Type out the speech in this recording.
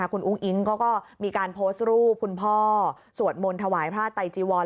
คุณอุ้งอิ๊งก็มีการโพสต์รูปคุณพ่อสวดมนต์ถวายพระไตจีวร